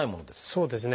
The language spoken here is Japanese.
そうですね。